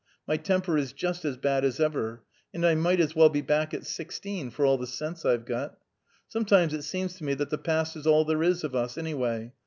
My temper is just us bad as ever, and I might as well be back at sixteen, for all the sense I've got. Sometimes it seems to me that the past is all there is of us, anyway.